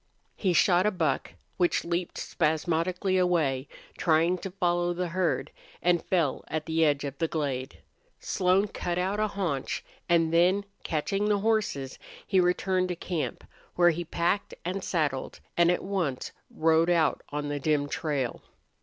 He shot a buck, which leaped spasmodically away, trying to follow the herd, and fell at the edge of the glade. Slone cut out a haunch, and then, catching the horses, he returned to camp, where he packed and saddled, and at once rode out on the dim trail.